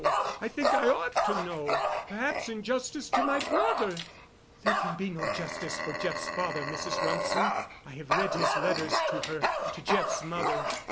I think I ought to know. Perhaps in justice to my brother——" "There can be no justice for Jeff's father, Mrs. Rumsen. I have read his letters to her—to Jeff's mother.